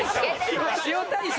塩大将？